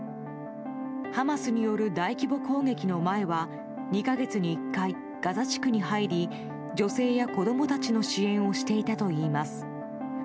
ハマスによる大規模攻撃の前は２か月に１回、ガザ地区に入り女性や子供たちの支援をしていたといいます。